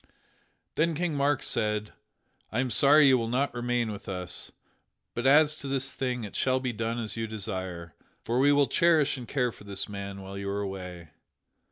Then King Mark said: "I am sorry you will not remain with us, but as to this thing it shall be done as you desire, for we will cherish and care for this man while you are away."